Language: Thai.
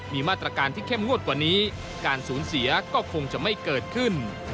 มีมาตรการที่เข้มงวดกว่านี้การสูญเสียก็คงจะไม่เกิดขึ้น